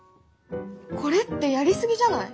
これってやり過ぎじゃない？